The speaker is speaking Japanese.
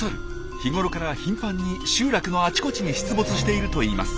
日頃から頻繁に集落のあちこちに出没しているといいます。